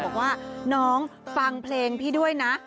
บอกว่าน้องฟังเพลงพี่ด้วยนะ